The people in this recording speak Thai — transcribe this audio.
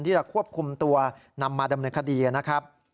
จะควบคุมตัวนำมาดำเนินคดีนะครับ